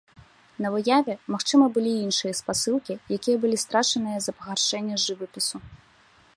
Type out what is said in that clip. На выяве, магчыма, былі і іншыя спасылкі, якія былі страчаныя з-за пагаршэння жывапісу.